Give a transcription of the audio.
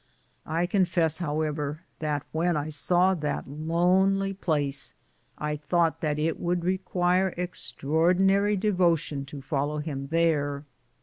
I confess, however, that when I saw that lonely place, I thought that it would require extraordi nary devotion to follow him there.